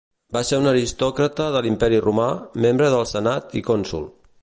Va ser un aristòcrata de l'Imperi Romà, membre del Senat i Cònsol.